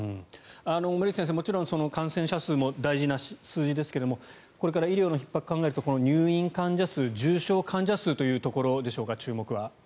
森内先生、もちろん感染者数も大事な数字ですがこれから医療のひっ迫を考えると入院患者数重症患者数というところでしょうか注目は。